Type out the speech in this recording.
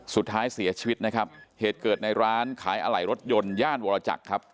สุดท้ายเสียชีวิตนะครับเหตุเกิดในร้านขายอะไหล่รถยนต์ย่านวรจักรครับ